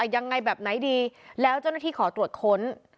ยังไงแบบไหนดีแล้วเจ้าหน้าที่ขอตรวจค้น